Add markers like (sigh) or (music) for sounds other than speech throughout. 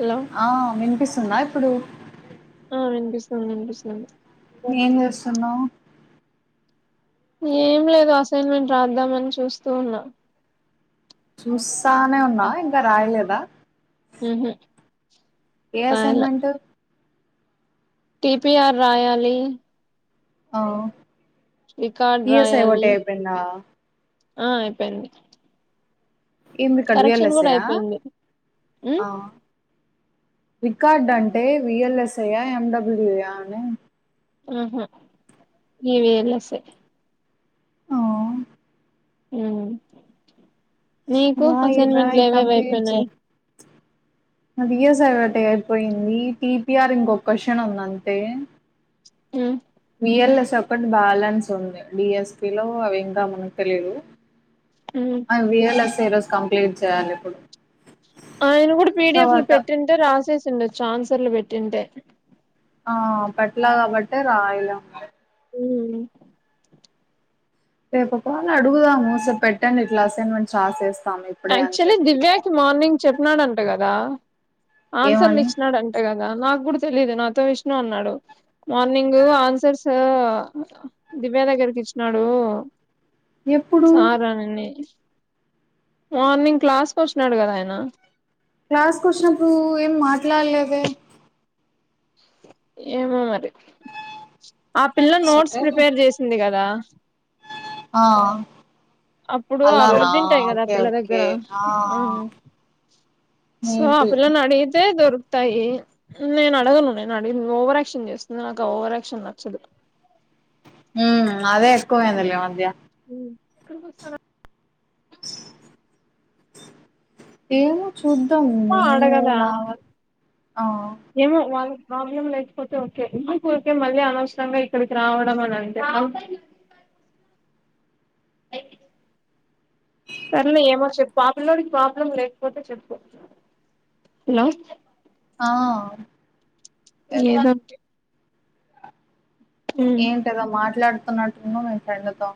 Hello ఆ వినిపిస్తుందా ప్పుడు ఆహ్ వినిపిస్తుంది వినిపిస్తుంది ఏం చేస్తున్నావు ఏం లేదు అసైన్మెంట్ రాద్దామని చూస్తూ ఉన్నా చూస్తానే ఉన్నా ఇంకా రాయలేదా హుహ్ ఏ అసైన్మెంట్ టిపిఆర్ రాయాలి ఆ రికార్డ్ రాయాలి పిఎస్ఐఓటి అయిపోందా ఆ అయిపోయింది ఏమి రికార్డు కరెక్షన్ విఎల్ఎస్ఐ కూడా యా అయిపోయింది ఉమ్ ఆహ్ రికార్డ్ అంటే విఎల్ఎస్ఐయా ఎమ్ డబ్ల్యూయా అని ఆహా ఇవిఎల్ఎస్ఐ ఆ ఆహ్ నీకు రాయి అసైన్మెంట్లు రాయి ఏవేవి కంప్లీట్ అయిపోయినాయి చెయ్ నాది ఇయస్ఐఓటీ అయిపోయింది టీపిఆర్ ఇంకొ క్వశ్చన్ ఉంది అంతే ఆ బిఎల్ఎస్ ఒకటి బ్యాలెన్స్ ఉంది బిఎస్పి లో అవి ఇంకా మనకు తెలిదు ఉమ్ ఆ విఎల్ఎస్ ఈరోజ్ కంప్లీట్ చేయాలి ఇప్పుడు ఆయన కూడా పీడిఎఫ్ లో తర్వాత పెట్టింటే రాసే ఛాన్సర్లు పెట్టింటే ఆ పెట్లా కాబట్టే రాయ్లా ఉమ్ రేపు పోని అడుగుదాము సో పెట్టాను ఇట్ల అసైన్మెంట్ రాసేస్ యాక్చువలీ దివ్యాకి మార్నింగ్ చెప్పినాడంట కదా రా ఆన్సర్లు ఏమని ఇచ్చినాడు అంటగా ఆ నాకు కూడా తెలిదు నాతో విష్ణు అన్నాడు మార్నింగ్ ఆన్సర్స్ దివ్యా దగ్గరికి ఇచ్చినాడు ఎప్పుడు సార్ అనిని మార్నింగ్ క్లాస్కి వచ్చినాడు కదా ఆయన క్లాస్కి వచ్చినప్పుడు ఏం మాట్లాల్లేదే ఏమో మరి ఆ పిల్ల నోట్స్ సరే ప్రిపేర్ చేసింది కదా ఆ అప్పుడు అలానా అవున్నింటాయ్ కదా ఆ ఓకే పిల్ల ఓకే దగ్గర ఆ సో ఆ మేబి పిల్లని అడిగితే దొరు తాయి నేను అడగను నేను అడిగి ఓవరాక్షన్ చేస్తుంది నాకు ఆ ఓవరాక్షన్ నచ్చదు హ్మ్ అదే ఎక్కువైందిలే ఈ మధ్య హ్మ్ ఎక్కడికి వొస్తారా ఏమో చూ తూద్దాం నేను అడగదా నా ఆ ఏమో వాళ్ళ ప్రాబ్లం లేకపోతే ఓకే ఎందుకు ఊరికే మళ్ళీ అనవసరంగా ఇక్కడికి రావడం అని అంతే సర్లే ఏమో చెప్పు ఆ పిల్లోడికి ప్రాబ్లం లేకపోతే చెప్పు ఆ ఏదో ఉమ్ ఏంటదా మాట్లాడ్ తున్నట్టున్నావ్ మీ ఫ్రెండ్తో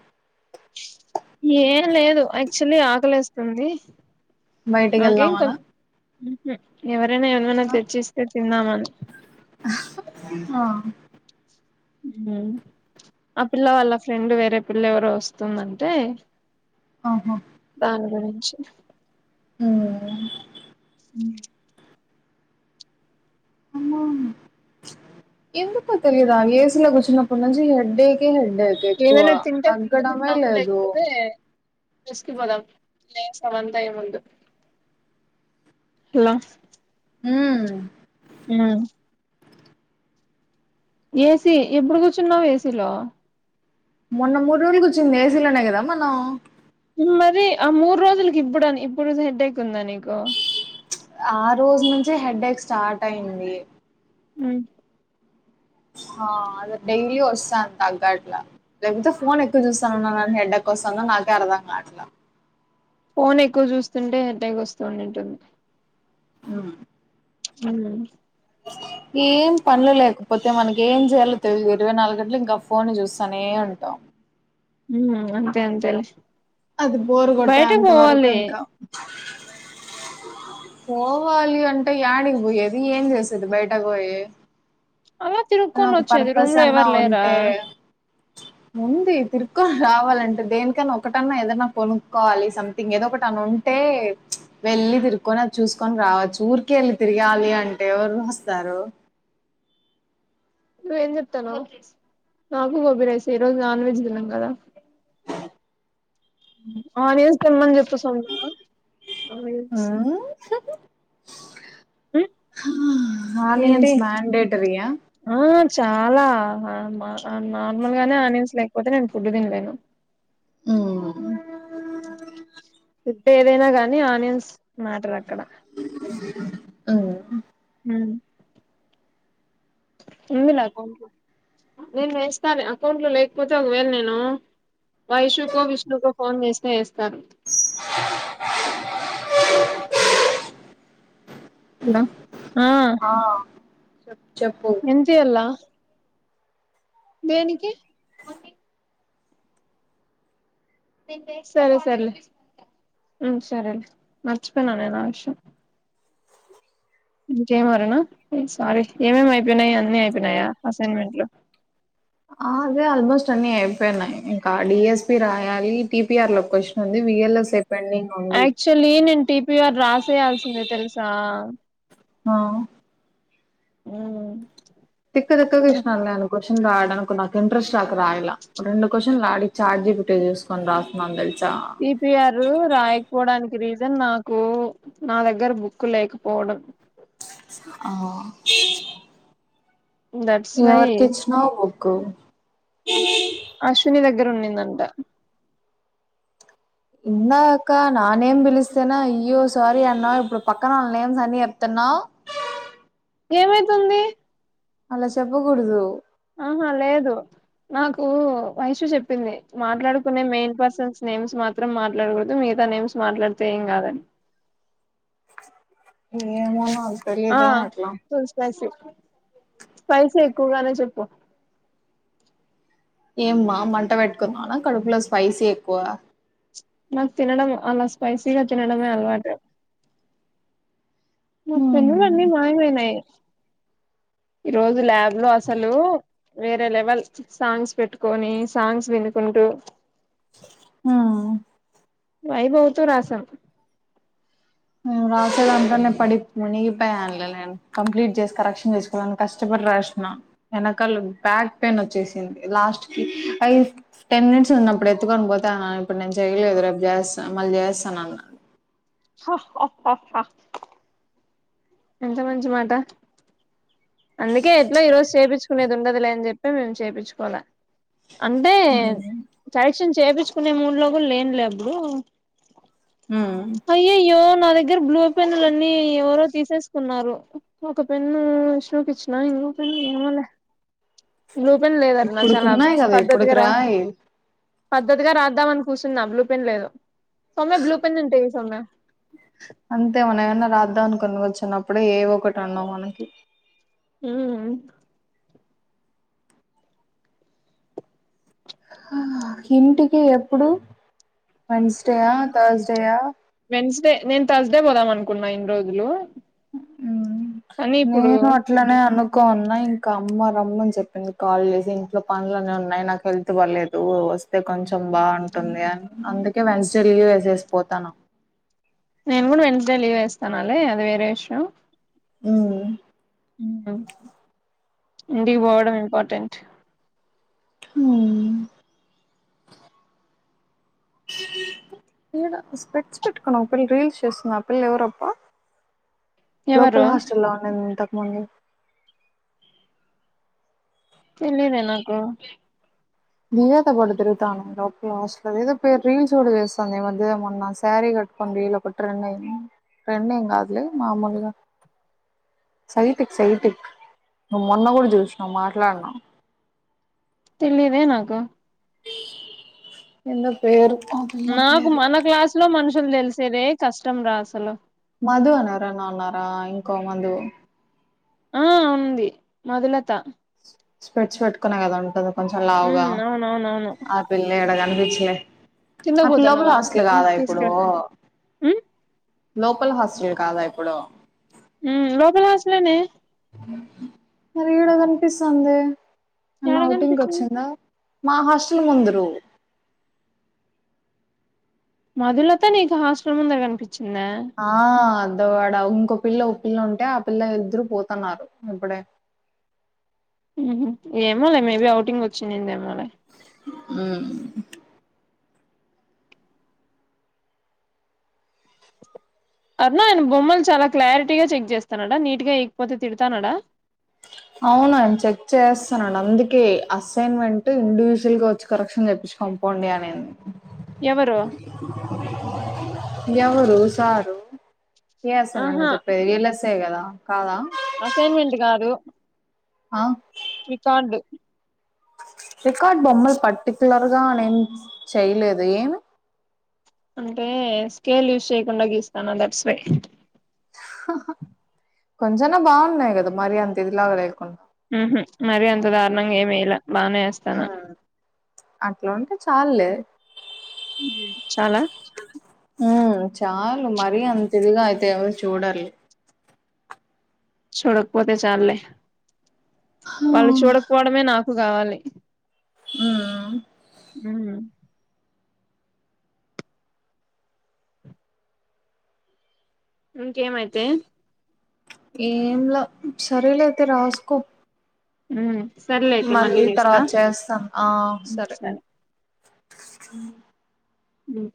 ఏం లేదు యాక్చువల్లీ ఆకలేస్తుంది బయటకి వెళ్దామలా హ్మ్ హు ఎవ రైనా ఏమైనా తెచ్చిస్తే తిందామని ఆ హ్మ్ ఆ పిల్ల వాళ్ళ ఫ్రెండ్ వేరే పిల్ల ఎవరో వస్తుందంటే ఆహా దాన్ గురించి (unintelligible) హ్మ్ హు మ్ ఎందుకో తెలియదా ఏసి లో కూచన పున్నంచి హెడేకే హెడ్ ఏదైనా తింటే ఫుడ్ తిందాము లేదు లేకపోతే రెస్కి పోదాం లేసం అంత ఈ ముందు హలో హ్మ్ ఉమ్ ఏసీ ఎప్పుడు కూర్చున్నావ్ ఏసీలో మొన్న మూడు రోజులు కూచ్చింది ఏసీలోనే కదా మనం మరి ఆ మూడు రోజులకి ఇప్పుడు ఇప్పుడు హెడ్ైక్ ఉందా నీకు ఆ రోజు నుంచే హెడేక్ స్టార్ట్ అయింది మ్మ్ ఆ అదే డైలీ వస్తాన్ తగ్గట్లా లేకపోతే ఫోన్ ఎక్కువ చూస్తానున్నానుని హెడ్డక్ వస్తుందో నాకే అర్ధం గాట్లా ఫోన్ ఎక్కువ చూస్తుంటే హెడేక్ వస్తూ ఉండి ఉంటుంది ఆ హుమ్ ఏం పనులు లేకపోతే మనకి ఏం చేయాలో తెలిదు ఇరవై నాలుగు గంటలు ఇంకా ఫోన్ చూస్తానే ఉంటాం మ్ అంతే అంతేలే అది బోరు కొట్టే బయటకు అంత వరకు పోవాలి ఇంకా పోవాలి అంటే యాడికి పోయ్యెది ఏం జేసేది బయట పోయి అలా ఆనా తిరుక్కొని ఒక వచ్చేది రూమ్ పర్పస్ లో అన్నా ఎవరు లేరా ఉంటే ఉంది తిరు క్ రావాలంటే దేనికైనా ఒక ట్ తన్నా ఏదన్నా కొనుక్కోవాలి సంథింగ్ ఏదో ఒకటి అని ఉంటే వెళ్లి తిరుక్కోని త్ చూసుకొని రావచ్చు ఊరికెళ్ళి తిరగాలి అంటే ఎవరు వస్తారు నువ్వేం చెప్తునవ్ నాకు గోబీ రైస్ ఈ రోజు నాన్ వెజ్ తిన్నమ్ గదా ఆనియన్స్ త్యమ్మన్ చెప్ కుసోన్న ఆ రీల్స్ ఆ ఏంటి ఆనియన్స్ మ్యాన్ డేటరియా ఆ చాలా ఆ మ నార్మల్ గానే ఆనియన్స్ లేకపోతే నేను ఫుడ్ తినలేను మ్ ఫుడ్ ఏదైనా గానీ ఆనియన్స్ మ్యాటర్ అక్కడ ఆ మ్ ఉంది నా అకౌంట్ నేను వేస్తానులే అకౌంట్ లో లేకపోతే ఒకవేళ నేను వైషుకో విష్ణుకో ఫోన్ చేసినా ఏస్తారు లో ఆ చెప్ చెప్పు ఎంతి ఎల్లా దేనికి అన్ని సరే సరేలే మ్ సరేలే మర్చిపోయిన నేను ఆ విషయం ఇంకేం ఆరునా సారీ ఏమేమి అయిపోయినాయి అన్నీ అయిపోయినాయా అసైన్మెంట్లు ఆ అదే ఆల్మోస్ట్ అన్ని అయిపోయిన్నాయి ఇంకా డిఎస్పి రాయాలి టిపిఆర్ లో క్వశ్చన్ ఉంది విఎల్ఎస్ ప్ యాక్చువల్లీ నేను టీపిఆర్ రాసేయాల్సిందే తెలుసా ఆ హ్మ్ తిక్క తిక్కగ ఇస్తాను నేను క్వశ్చన్ రాయాలనుకున్నక ఇంట్రెస్ట్ నాకు రాయలా రెండు క్వశ్చన్స్ లాడి చాట్ జిపిటి చూసుకొని రాస్తున్నాను తెల్ టిపిఆర్ రు రాయకపోవడానికి రీజన్ నాకు నా దగ్గర బుక్ లేకపోవడం ఆ దట్స్ వై ఎవరికిచ్చిన్నావు కు అశ్విని దగ్గర ఉండింది నంద ఇందా అక్క నా నేమ్ పిలిస్తేనా అయ్యో సారీ అన్నా ఇప్పుడు పక్కన వాళ్ళ నేమ్స్ అన్ని చెప్తున్నావు ఏమైతుంది అలా చెప్పకూడదు ఆహా లేదు నాకు వైషు చెప్పింది మాట్లాడుకునే మెయిన్ పర్సన్స్ నేమ్స్ మాత్రం మాట్లాడకూడదు మిగతా నేమ్స్ మాట్లాడితే ఏం కాదని ఏమోనో ఆ తెలుసు తెలుసు పైసా ఎక్కువగానే చెప్పు ఏమ్మా మంట పెట్టుకున్నానా కడుపులో స్పైసీ ఎక్కువ నాకు తినడం అలా స్పపైసీగా తినడమే అలవాటు నా పెన్నులన్నీ మాయమైనాయి ఈ రోజు ల్యాబ్ లో అసలు వేరే లెవెల్ సాంగ్స్ పెట్టుకొని సాంగ్స్ వినుకుంటూ ఆ వైభవ్ తో రాసాం నేను రాసేదాంట్లోనేే పడి ముగిపోయానులే నేను కంప్లీట్ చేసి కరెక్షన్ చేసుకోవాలని కష్టపడి రాసిన వెనకాల బ్యాక్ పెయిన్ వచ్చేసింది లాస్ట్ కి ఫైవ్ టెన్ మినిట్స్ ఉన్నప్పుడు ఎత్తుకొని పోతే ఆమె ఇప్పుడు నేను చేయలేదు రేపు చేస్తాను మళ్ళీ చేస్తాను అన్నాను. హా హా హా హా ఎంత మంచి మాట అందుకే ఎట్లో ఈ రోజు చేపీంచుకునేది ఉండదులే అని చెప్పి మేము చేపించుకోలే అంటే కరెక్షన్ చేపిచ్చు కొన్ని మూడు లోజులు లేనులే అప్పుడు మ్మ్ అయ్యయో నా దగ్గర బ్లూ పెన్ను లన్నీ ఎవరో తీసేసుకున్నారు ఒక పెన్ను చూపించనా ఇంకో పెన్ను ఏమోలే బ్లూ పెన్ లేదటనా చాలా ఇప్పుడుకున్నాయి కదా పద్ధతిగా ఇప్పుడుకి రా రాయి పద్ధతిగా రాద్దామని కూర్చున్న బ్లూ పెన్ లేదు సౌమ్య బ్లూ పెన్ ఉంటే ఈ సౌమ్య అంతే మనం ఏమన్నా రాద్దాం అనుకోని వచ్చినప్పుడే ఏవొ ఒకటి ఉండవు మనకి ఉమ్ హా ఇంటికి ఎప్పుడు మనిషి టుడే ఆ త్ర్సడై ఆ త్ర్సడై పోదాం అనుకున్నా ఇన్ని రోజులు కానీ ఇప్పుడు నేను అట్లానే అనుకోన్నా ఇంకా అమ్మ రమ్మని చెప్పింది కాల్ చేసి ఇంట్లో పనులన్ని ఉన్నాయి నాకు హెల్త్ బాలేదు వస్తే కొంచెం బాగుంటుంది అని అందుకే వెన్సడే లీవ్ వేసేసి పోతాను నేను కూడా వెన్సడే లీవ్ వేస్తానాలే అది వేరే విషయం అమ్ ఇంటికి పోవటం ఇంపార్టెంట్ హామ్ ఈడ స్పెక్ట్స్ పెట్టుకున్నా ఒక పిల్ల రీల్స్ చేస్తుంది పిల్ల ఎవరప్పా ఎవరు లోపల్ హాస్టల్లో ఉండేది ఇంతకుముందు తెలిదేనాకు దివ్య తో పాటు తిరుగుతాను లో కాస్లు ఏదో పేరు రీల్స్ కూడా చేస్తుంది ఈ మధ్య మొన్న శారీ కట్టుకొని రీల్ ఒకటి ట్రెండ్ అయి ట్రెండ్ ఏమ్ కాదులే మామూలుగా సైట్ సైట్ నువ్వు మొన్న కూడా చూసినావు మాట్లాడినా తెలిదే నాకు ఎందో పేరు ఆ పిల్ల నాకు పేరు మన క్లాస్ లో మన షలు తెలిసేరే కష్టం రా అసలు మధు అని ఎవరైనా ఉన్నారా ఇంకో మధు ఆ ఉంది మధులత స్పెక్ట్స్ పెట్టుకునే కదా ఉంటుంది కొంచెం లావుగా ఉమ్ అవునవునవును ఆ పిల్ల ఎడగానిపించ యస్ కిందకు అ పిల్ల కూడా పోతాన్నావా హాస్టల్ ఉమ్ కాదా ఇప్పుడు తీసుకురా ఉమ్ లోపల్ హాస్టల్ కాదా ఇప్పుడు ఉమ్ లోపల హాస్టల్ ఎ నే మరి ఇడా కనిపిస్తోంది అమన్న యాడ ఔటింగ్కి కనిపించింది వచ్చిందా మా హాస్టల్ ముందు రు మధులతో నీకు హాస్టల్ ముంద కనిపించి ఆ పెద్దవాడ ఇంకో పిల్ల ఒ పిల్ల ఉంటే ఆ పిల్ల ఇద్దరు పోతాన్నారు ఇప్పుడే ఏమలే మేబీ ఔటింగ్ వచ్చింది ఎమోలే ఆమ్ అరుణ ఆయన బొమ్మలు చాలా క్లారిటీగా చెక్ చేస్తాన్నాడా నీట్గా ఎకపోతే తిడతానడా అవును ఆయన చెక్ చేస్తానాడు అందుకే అసైన్మెంట్ ఇండివిజువల్ గా వచ్చి కరెక్షన్ చెప్పించి కొని పొండి అనేంది ఎవరు ఎవరు సారు ఏ అస నన్ను ఆహా చెప్పే ఎలస్ తే కదా కాదా అసైన్మెంట్ కాదు ఆ రికార్డు రికార్డ్ బొమ్మలు పర్టికులర్ గా నేను చెయలేదు ఏమి అంటే స్కేల్ యూస్ చేయకుండా గీస్తన్న దట్స్ వై కొంచెనా బాగున్నాయి కదా మరి అంత ఇదిలాగా లేకుండా ఉహు మరి అంత దారుణంగా ఏం వేయలా బానే వేస్తానా ఉమ్, అట్లా ఉంటే చాలులే చాలా ఉమ్ చాలు మరీ అంత ఇదిగా అయితే ఎవరు చూడరులే చూడకపోతే చాలులే వాళ్ళు ఉమ్ చూడకపోవడమే నాకు ప్పు కావాలి ఆ ఉహు ఇంకేమయితే ఏంలా సరేలే ఐతే రాసుకో ఉ మళ్ళీ తర్వాత చేస్తా ఆ సరే హ ఉ